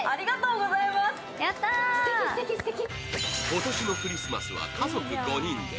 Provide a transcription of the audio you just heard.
今年のクリスマスは家族５人で。